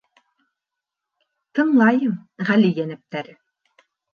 — Тыңлайым, ғәли йәнәптәре...